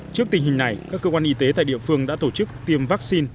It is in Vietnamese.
trước tình hình này các cơ quan y tế tại địa phương đã tổ chức tiêm vaccine